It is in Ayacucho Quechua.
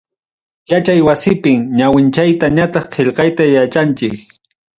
Yachay wasipim, ñawinchayta ñataq qillqayta yachanchik.